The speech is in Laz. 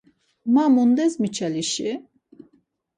Ma mundes miçalişi?